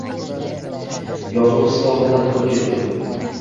Yozuv stolimdan turib ketdim.